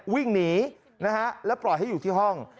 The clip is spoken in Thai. วิ่งหนีนะฮะแล้วปล่อยให้อยู่ที่ห้อง